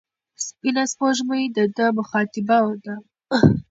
سپینه سپوږمۍ د ده مخاطبه ده.